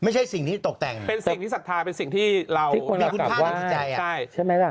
ไม่ใช่สิ่งที่ตกแต่งเป็นสิ่งที่ศักดิ์ภาพเป็นสิ่งที่เราสักสีกประตอ้าวใช่มั้ยนะ